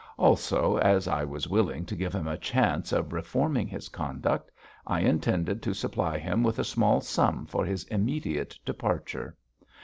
Also, as I was willing to give him a chance of reforming his conduct, I intended to supply him with a small sum for his immediate departure.